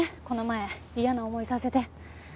この前嫌な思いさせて。